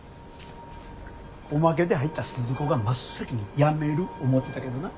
おまけで入った鈴子が真っ先にやめる思うてたけどな。